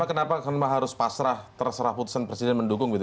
kenapa harus pasrah terserah putusan presiden mendukung gitu